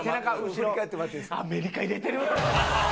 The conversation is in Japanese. アメリカ入れてる！